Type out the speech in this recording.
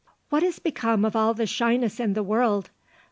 "What is become of all the shyness in the world?